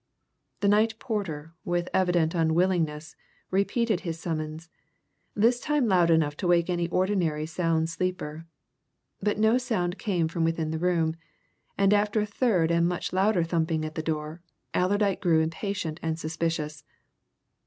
The night porter, with evident unwillingness, repeated his summons, this time loud enough to wake any ordinary sound sleeper. But no sound came from within the room, and after a third and much louder thumping at the door, Allerdyke grew impatient and suspicious.